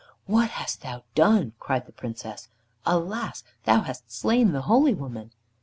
"What hast thou done?" cried the Princess. "Alas! thou hast slain the holy woman."